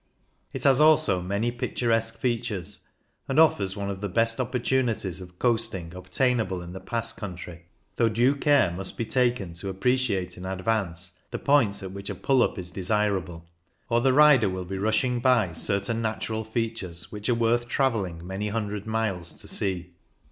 It has also many picturesque features, and offers one of the best opportunities of coasting obtainable in the Pass country, though due care must be taken to appreciate in advance the points at which a pull up is desirable, or the rider will be rushing by certain natural features which are worth travelling many hundred miles to see.